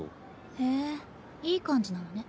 へえいい感じなのね。